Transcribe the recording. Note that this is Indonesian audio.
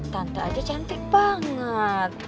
tante aja cantik banget